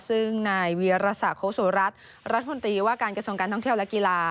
ซึ่งในเวียรษาโค้กสู่รัฐรัฐพลุนตรีว่าการกระทรวงการท่องเที่ยวและกีฬา